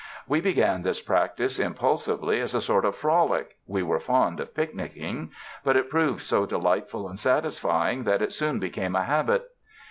We began this practise impulsively as a sort of frolic — we were fond of picnicking — but it proved so delightful and satisfying that it soon became a habit.